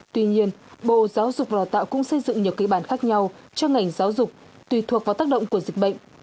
tuy nhiên bộ giáo dục đào tạo cũng xây dựng nhiều kịch bản khác nhau cho ngành giáo dục tùy thuộc vào tác động của dịch bệnh